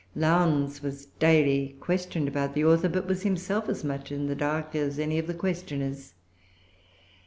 Lowndes was daily questioned about the author, but was himself as much in the dark as any of the questioners.